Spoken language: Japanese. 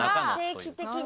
定期的に。